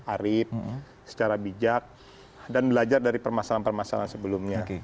arif secara bijak dan belajar dari permasalahan permasalahan sebelumnya